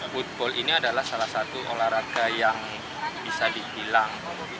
football ini adalah salah satu olahraga yang bisa dibilang